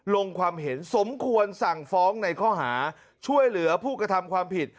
ลงความเห็นสมควรสั่งฟ้องในข้อหาช่วยเหลือผู้กระทำความผิด